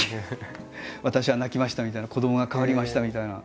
「私は泣きました」みたいな「子どもが変わりました」みたいな。